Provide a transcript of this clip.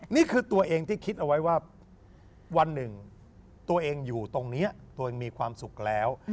นี่คือตัวเองที่คิดเอาไว้ว่าวันหนึ่งตัวเองอยู่ตรงนี้ตัวเองมีความสุขแล้ว